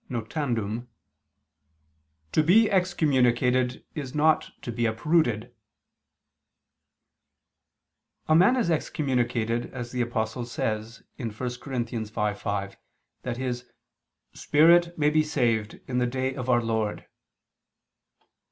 Notandum), "to be excommunicated is not to be uprooted." A man is excommunicated, as the Apostle says (1 Cor. 5:5) that his "spirit may be saved in the day of Our Lord."